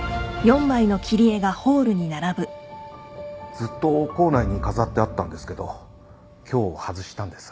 ずっと構内に飾ってあったんですけど今日外したんです。